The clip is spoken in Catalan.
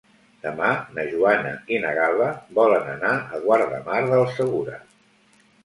Demà na Joana i na Gal·la volen anar a Guardamar del Segura.